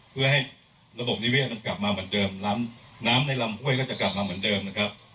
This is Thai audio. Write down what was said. เพื่อให้ระบบนิเวศมันกลับมาเหมือนเดิมน้ำในลำห้วยก็จะกลับมาเหมือนเดิมนะครับ